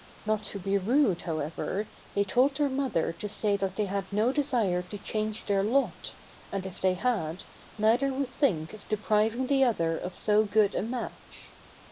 Not to be rude, however, they told their mother to say that they had no desire to change their lot, and if they had, neither would think of depriving the other of so good a match.